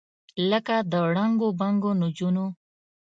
لکه د ړنګو بنګو نجونو،